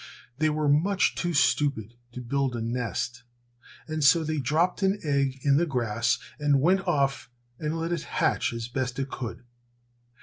They were much too stupid to build a nest, and so they dropped an egg in the grass and went off and let it hatch as best it could.